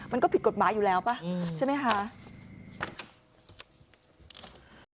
มันก็ผิดกฎหมายอยู่แล้วป่ะใช่ไหมคะ